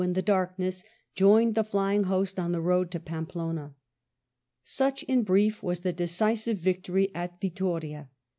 in the darkness, joined the flying host on the load to Pampeliina. Such, in brie^ was the decisive yictory at Yittoria.